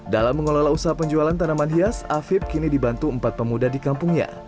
dalam mengelola usaha penjualan tanaman hias afib kini dibantu empat pemuda di kampungnya